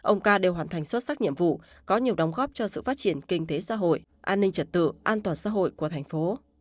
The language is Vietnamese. ông ca đều hoàn thành xuất sắc nhiệm vụ có nhiều đóng góp cho sự phát triển kinh tế xã hội an ninh trật tự an toàn xã hội của thành phố